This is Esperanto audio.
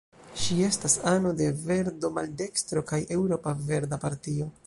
Ŝi estas ano de Verdo-Maldekstro kaj Eŭropa Verda Partio.